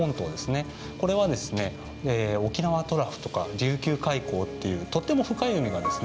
これはですね沖縄トラフとか琉球海溝っていうとっても深い海がですね